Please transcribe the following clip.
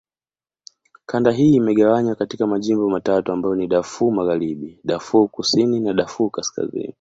Kanda hii imegawanywa katika majimbo matatu ambayo ni: Darfur Magharibi, Darfur Kusini, Darfur Kaskazini.